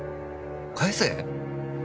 返せ？